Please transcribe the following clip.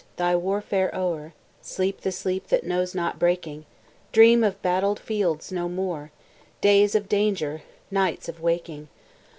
thy warfare o'er, Sleep the sleep that knows not breaking; Dream of battled fields no more, Days of danger, nights of waking.